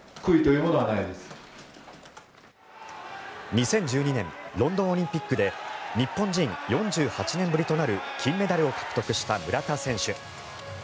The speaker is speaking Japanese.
２０１２年ロンドンオリンピックで日本人４８年ぶりとなる金メダルを獲得した村田選手。